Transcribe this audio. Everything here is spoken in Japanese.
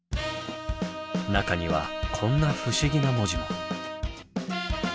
中にはこんな不思議な文字も。